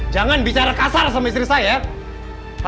jangan bicara kasar sama istri saya